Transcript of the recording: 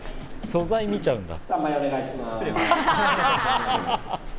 素材、見ちゃうんだ。